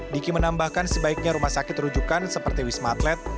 diki menambahkan sebaiknya rumah sakit rujukan seperti wisma atlet